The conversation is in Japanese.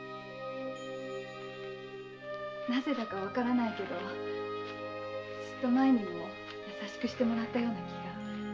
なぜだかわからないけどずっと前にも優しくしてもらったような気が。